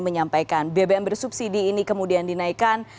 menyampaikan bbm bersubsidi ini kemudian dinaikkan